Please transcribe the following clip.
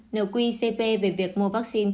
nợ quy cp về việc mua vaccine